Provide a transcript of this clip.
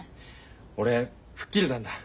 俺吹っ切れたんだ。